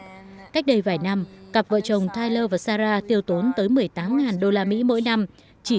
tiết kiệm cách đây vài năm cặp vợ chồng tyler và sarah tiêu tốn tới một mươi tám đô la mỹ mỗi năm chỉ